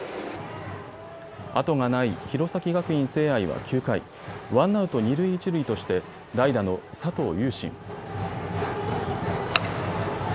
後がない弘前学院聖愛は９回、ワンアウト二塁一塁として代打の佐藤雄心。